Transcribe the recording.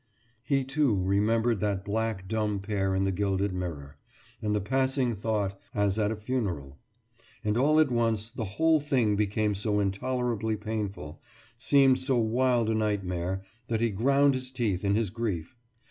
« He, too, remembered that black dumb pair in the gilded mirror, and the passing thought: as at a funeral. And all at once the whole thing became so intolerably painful, seemed so wild a nightmare, that he ground his teeth in his grief.